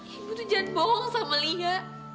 ibu tuh jangan bohong sama lia